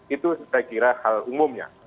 itu saya kira hal umumnya